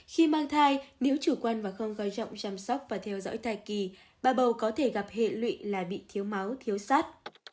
khi mang thai nếu chủ quan và không coi trọng chăm sóc và theo dõi thai kỳ bà bầu có thể gặp hệ lụy là bị thiếu máu thiếu sát